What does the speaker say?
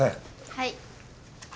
はい。